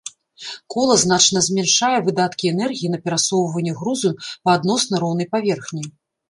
Кола значна змяншае выдаткі энергіі на перасоўванне грузу па адносна роўнай паверхні.